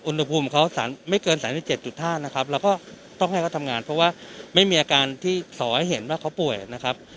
อุณหภูมิเขาไม่เกิน๓๗๕นะครับเราก็ต้องให้เขาทำงานเพราะว่าไม่มีอาการที่สอให้เห็นว่าเขาป่วยนะครับ